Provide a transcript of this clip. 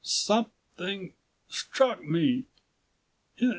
"Something struck me